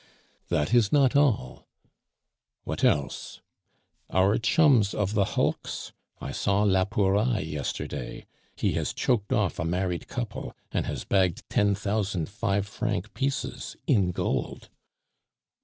"That is not all." "What else?" "Our chums of the hulks. I saw Lapouraille yesterday He has choked off a married couple, and has bagged ten thousand five franc pieces in gold."